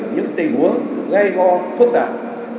những tình huống gây gò phức tạp